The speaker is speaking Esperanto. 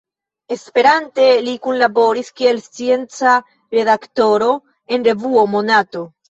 Esperante, li kunlaboris kiel scienca redaktoro en revuo Monato.